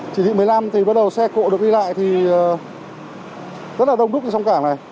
chỉ thị một mươi năm thì bắt đầu xe cộ được ghi lại thì rất là đông đúc trong cảng này